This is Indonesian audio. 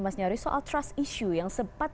mas nyarwi soal trust issue yang sempat